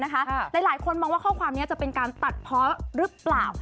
หลายคนมองว่าข้อความนี้จะเป็นการตัดเพาะหรือเปล่า